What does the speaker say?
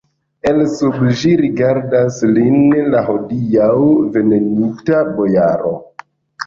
El sub ĝi rigardas lin la hodiaŭ venenita bojaro.